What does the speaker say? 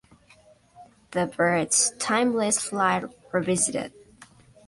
The Byrds: Timeless Flight Revisited.